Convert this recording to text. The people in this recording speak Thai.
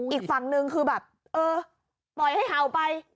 อีกฝั่งนึงคือแบบเออปล่อยให้เห่าไป